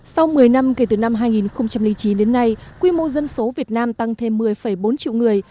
sau một mươi năm kể từ năm hai nghìn chín đến nay quy mô dân số việt nam tăng thêm một mươi bốn triệu người